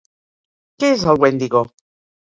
Què és el Wendigo?